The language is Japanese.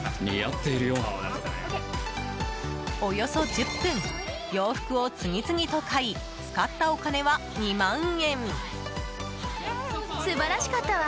およそ１０分、洋服を次々と買い使ったお金は２万円。